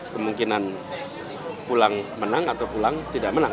kemungkinan pulang menang atau pulang tidak menang